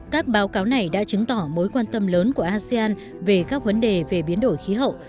các báo cáo này đã chứng tỏ mối quan tâm lớn của asean về các vấn đề về biến đổi khí hậu